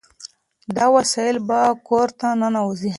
دا وسایل به کور ته ننوځي.